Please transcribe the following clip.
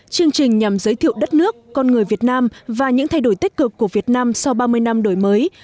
chương trình nhằm giới thiệu đất nước con người việt nam và những thay đổi tích cực của việt nam sau ba mươi năm đổi mới